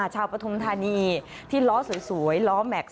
ปฐุมธานีที่ล้อสวยล้อแม็กซ